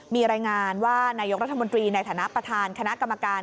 มีรายงานว่านายกรัฐมนตรีในฐานะประธานคณะกรรมการ